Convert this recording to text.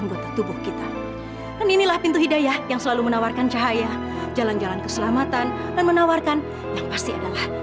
orang yang selalu menawarkan cahaya jalan jalan keselamatan dan menawarkan yang pasti adalah